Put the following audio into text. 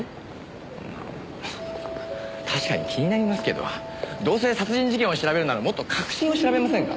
確かに気になりますけどどうせ殺人事件を調べるならもっと核心を調べませんか？